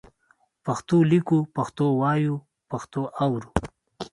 پښتو لیکو، پښتو وایو، پښتو اورو.